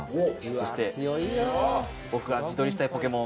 そして僕が自撮りしたいポケモン。